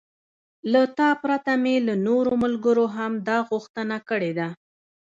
له تا پرته مې له نورو ملګرو هم دا غوښتنه کړې ده.